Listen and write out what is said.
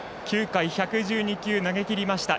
９回１１２球、投げきりました。